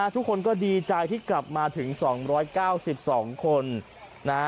ทุกคนก็ดีใจที่กลับมาถึง๒๙๒คนนะฮะ